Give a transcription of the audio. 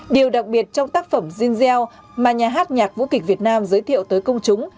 điều đặc biệt trong tác phẩm jeanzel mà nhà hát nhạc vũ kịch việt nam giới thiệu tới công chúng